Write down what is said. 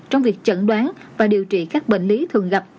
trong việc chẩn đoán và điều trị các bệnh lý thường gặp